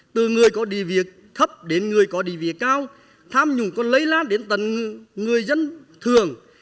từ người có địa vị thấp đến người có địa vị cao tham nhũng còn lây lan đến tầng người dân thường